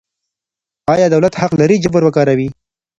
آیا دولت حق لري جبر وکاروي؟